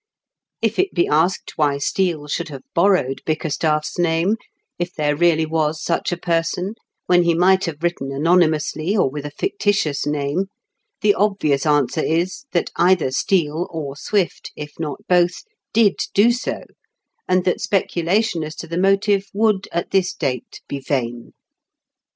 If it be asked why Steele should have borrowed Bickerstaff's name, if there really was such a person, when he might have written anonymously or with a fictitious name, the obvious answer is, that either Steele or Swift, if not both, did do so, and that speculation as to the motive would, at this date, be vain.